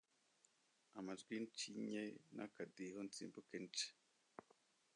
amajwi ncinye n'akadiho, nsimbuke nce